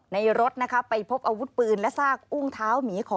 ในรถนะคะไปพบอาวุธปืนและซากอุ้งเท้าหมีขอ